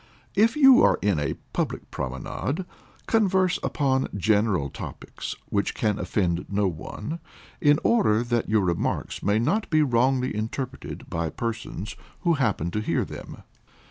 If you are in a public promenade, converse upon general topics, which can offend no one, in order that your remarks may not be wrongly interpreted by persons who happen to hear them.